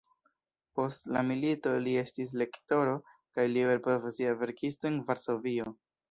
Post la milito li estis lektoro kaj liberprofesia verkisto en Varsovio.